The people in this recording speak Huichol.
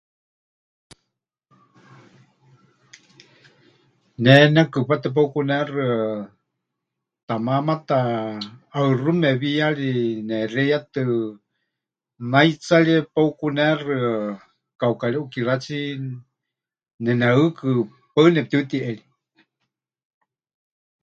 Ne nekɨpáte peukunexɨa taamámata ʼauxuwime wiyari nehexeiyatɨ, naitsarie peukunexɨa, kauka ri ʼukiratsi nenehɨɨkɨ, paɨ nepɨtiutiʼeri.